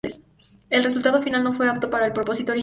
El resultado final no fue apto para el propósito original.